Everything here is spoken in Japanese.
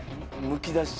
むき出し